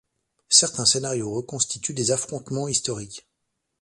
Certains scénarios reconstituent des affrontements historiques.